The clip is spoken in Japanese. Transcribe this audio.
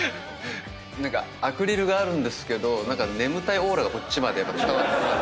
アクリルがあるんですけど眠たいオーラがこっちまで伝わってきますね。